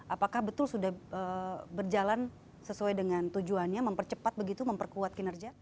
apakah betul sudah berjalan sesuai dengan tujuannya mempercepat begitu memperkuat kinerja